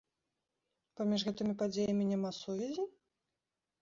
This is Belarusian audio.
Паміж гэтымі падзеямі няма сувязі?